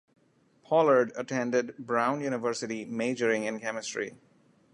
Pollard attended Brown University, majoring in chemistry.